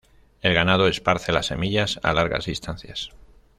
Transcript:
El ganado esparce las semillas a largas distancias.